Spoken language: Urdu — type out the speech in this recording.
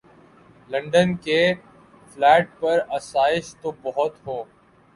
لندن کے فلیٹ پر آسائش تو بہت ہوں۔